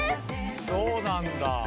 そうなんだ。